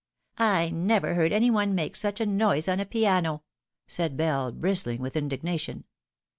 "/ never heard any one make such a noise on a piano," said Bell, bristling with indignation.